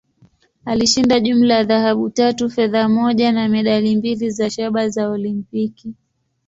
Alishinda jumla ya dhahabu tatu, fedha moja, na medali mbili za shaba za Olimpiki.